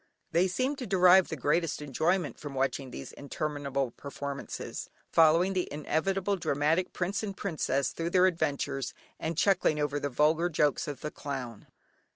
They seem to derive the greatest enjoyment from watching these interminable performances, following the inevitable dramatic "Prince and Princess" through their adventures, and chuckling over the vulgar jokes of the clown.